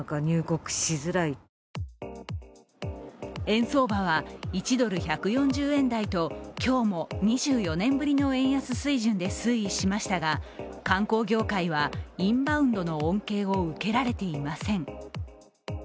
円相場は１ドル＝１４０円台と今日も２４年ぶりの円安水準で推移しましたが観光業界はインバウンドの恩恵を受けられていません。